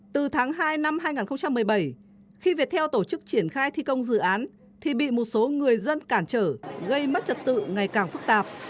từ tháng hai năm hai nghìn một mươi bảy khi việt theo tổ chức triển khai thi công dự án thì bị một số người dân cản trở gây mất trật tự ngày càng phức tạp